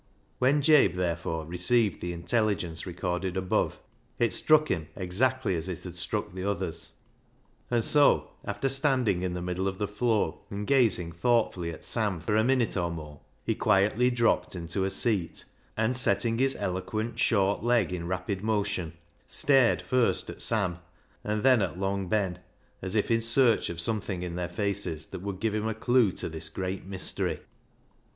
When Jabe, therefore, received the intelligence recorded above, it struck him exactly as it had struck the others ; and so, after standing in the middle of the floor and gazing thoughtfully at Sam for a minute or more, he quietly dropped into a seat, and, setting his eloquent, short leg in rapid motion, stared first at Sam and then at Long Ben, as if in search of something in their faces that would give him a clue to this great mystery.